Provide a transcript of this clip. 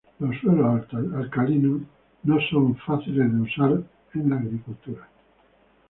Los suelos alcalinos no se dejan usar fácilmente en la agricultura.